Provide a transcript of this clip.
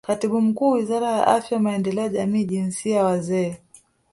Katibu Mkuu Wizara ya Afya Maendeleo ya Jamii Jinsia Wazee